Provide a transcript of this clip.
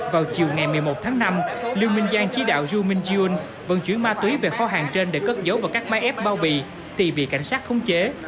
vào chiều ngày một mươi một tháng năm liu mingjiang chỉ đạo zhu mingzhuang vận chuyển ma túy về kho hàng trên để cất dấu vào các máy ép bao bì tỳ bị cảnh sát không chế